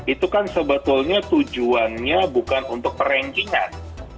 itu kan sebetulnya tujuannya bukan untuk per rankingan